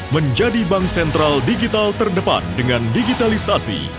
menjadi bank sentral digital terdepan dengan digitalisasi